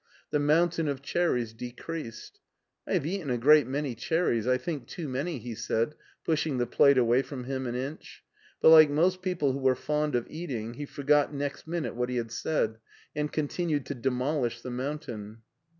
The mountain of cherries decreased. " I have eaten a great many cherries, I think too many," he said, pushing the plate away from him an inch, but, like most people who are fond of eating, he forgot next minute what he had said and continued to demolish the mountain.